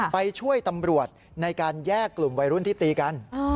ไปช่วยตำรวจในการแยกกลุ่มวัยรุ่นที่ตีกัน